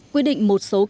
quy định một số cơ chế